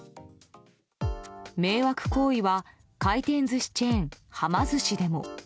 迷惑行為は回転寿司チェーンはま寿司でも。